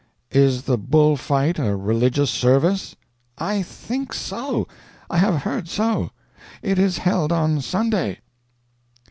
"Is the bull fight a religious service?" "I think so. I have heard so. It is held on Sunday."